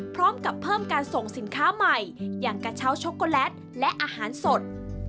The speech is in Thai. พร้อมกับเพิ่มการส่งสินค้าใหม่อย่างกระเช้าช็อกโกแลตและอาหารสด